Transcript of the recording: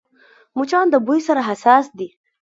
مچان د بوی سره حساس دي